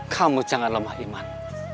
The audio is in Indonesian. kamu jangan lemah iman